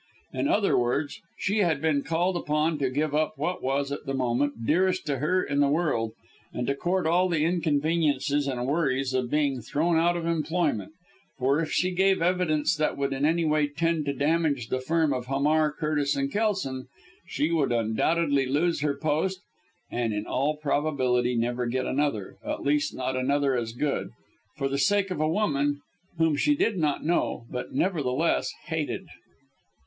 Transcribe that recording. In other words she had been called upon to give up what was, at the moment, dearest to her in the world, and to court all the inconveniences and worries of being thrown out of employment for if she gave evidence that would in any way tend to damage the firm of Hamar, Curtis & Kelson, she would undoubtedly lose her post and, in all probability, never get another at least not another as good for the sake of a woman whom she did not know, but, nevertheless, hated.